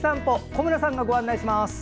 小村さんがご紹介します。